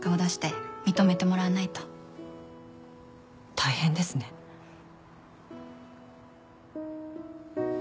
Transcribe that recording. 大変ですね。